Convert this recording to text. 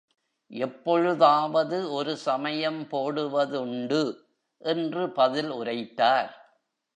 எப்பொழுதாவது ஒரு சமயம் போடுவதுண்டு! என்று பதில் உரைத்தார்.